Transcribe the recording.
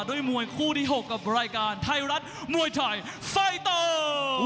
ด้วยมวยคู่ที่๖กับรายการไทยรัฐมวยไทยไฟเตอร์